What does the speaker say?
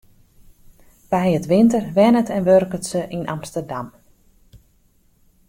By 't winter wennet en wurket se yn Amsterdam.